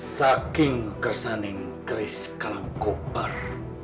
saking kersaning keris gk langkobar